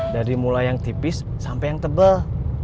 dari mulai yang tipis sampe yang tebel